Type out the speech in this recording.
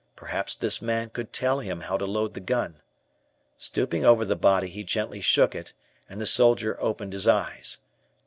Perhaps this man could tell him how to load the gun. Stooping over the body, he gently shook it, and the soldier opened his eyes.